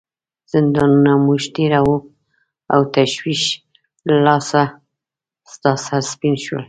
زندانونه موږ تیروو او تشویش له لاسه ستا سر سپین شوی.